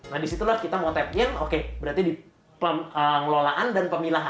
nah disitulah kita mau tap in oke berarti di pengelolaan dan pemilahan